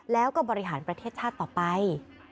แล้วก็บริหารประเทศชาติต่อไป